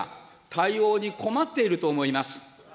対応に困っていると思います。